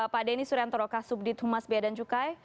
pak denny suryantoro kasubdit humas bea dan cukai